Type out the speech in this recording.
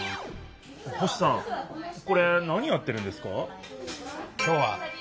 星さんこれ何やってるんですか？